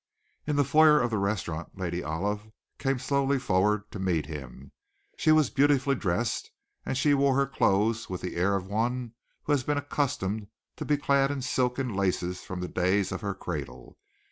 In the foyer of the restaurant, Lady Olive came slowly forward to meet him. She was beautifully dressed, and she wore her clothes with the air of one who has been accustomed to be clad in silk and laces from the days of her cradle.